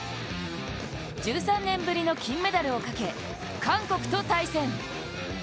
１３年ぶりの金メダルをかけ韓国と対戦。